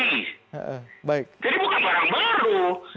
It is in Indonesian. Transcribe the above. jadi bukan barang baru